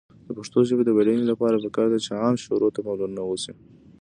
د پښتو ژبې د بډاینې لپاره پکار ده چې عام شعور ته پاملرنه وشي.